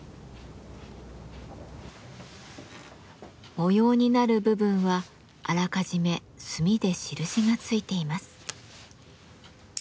模様になる部分はあらかじめ墨で印が付いています。